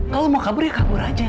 kalo lu mau kabur ya kabur aja